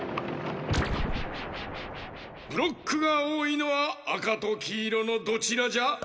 ブロックがおおいのはあかときいろのどちらじゃ？